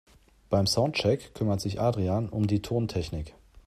Beim Soundcheck kümmert sich Adrian um die Tontechnik.